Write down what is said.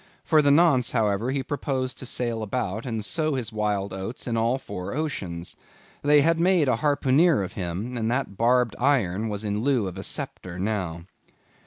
For the nonce, however, he proposed to sail about, and sow his wild oats in all four oceans. They had made a harpooneer of him, and that barbed iron was in lieu of a sceptre now.